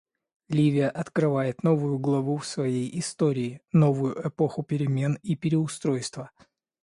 Ливия открывает новую главу в своей истории — новую эпоху перемен и переустройства.